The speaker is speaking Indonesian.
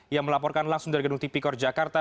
yang melaporkan langsung dari gedung tipikor jakarta